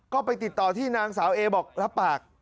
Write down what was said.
ก็ไปติดต่อที่นางสาวเอบอกรับปาก